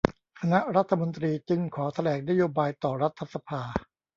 คณะรัฐมนตรีจึงขอแถลงนโยบายต่อรัฐสภา